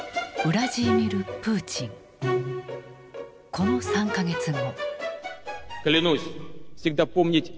この３か月後。